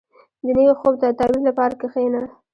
• د نوي خوب د تعبیر لپاره کښېنه.